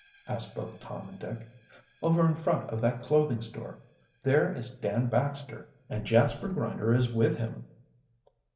asked both Tom and Dick. "Over in front of that clothing store. There is Dan Baxter, and Jasper Grinder is with him!"